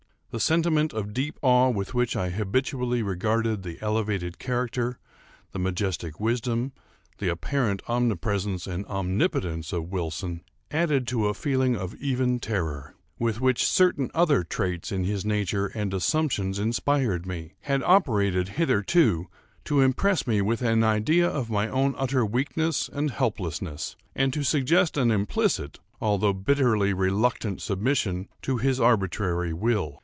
The sentiment of deep awe with which I habitually regarded the elevated character, the majestic wisdom, the apparent omnipresence and omnipotence of Wilson, added to a feeling of even terror, with which certain other traits in his nature and assumptions inspired me, had operated, hitherto, to impress me with an idea of my own utter weakness and helplessness, and to suggest an implicit, although bitterly reluctant submission to his arbitrary will.